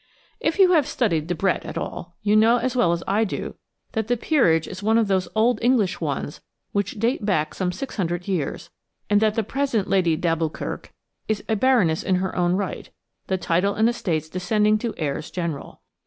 If you have studied Debrett at all, you know as well as I do that the peerage is one of those old English ones which date back some six hundred years, and that the present Lady d'Alboukirk is a baroness in her own right, the title and estates descending to heirs general.